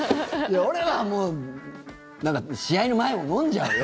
俺はもう試合の前も飲んじゃうよ。